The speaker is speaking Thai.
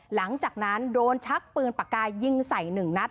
หลังจากนั้นโดนชักปืนปากกายิงใส่๑นัด